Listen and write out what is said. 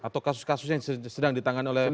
atau kasus kasus yang sedang ditangan oleh novel